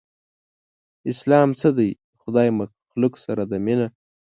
اسلام څه دی؟ خدای مخلوق سره ده مينه